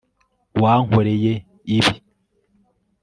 wankoreye ibi